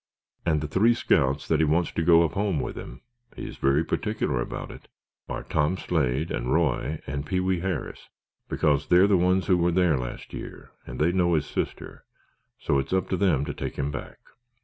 "And the three scouts that he wants to go up home with him (he's very particular about it) are Tom Slade and Roy and Pee wee Harris, because they're the ones who were there last year and they know his sister, so it's up to them to take him back."